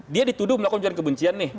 dia dituduh melakukan ujaran kebencian nih